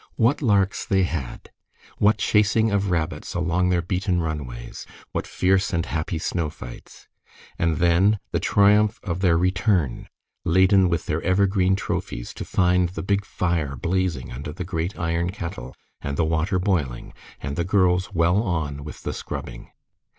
What larks they had! What chasing of rabbits along their beaten runways! What fierce and happy snow fights! And then, the triumph of their return, laden with their evergreen trophies, to find the big fire blazing under the great iron kettle and the water boiling, and the girls well on with the scrubbing.